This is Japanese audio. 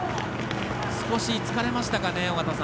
少し疲れましたかね。